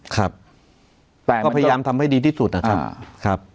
ครับแต่ก็พยายามทำให้ดีที่สุดนะครับ